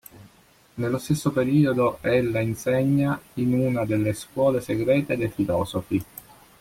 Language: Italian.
Nello stesso periodo ella insegna in una delle scuole segrete dei "Filosofi".